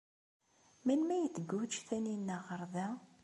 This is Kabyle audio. Melmi ay d-tguǧǧ Taninna ɣer da?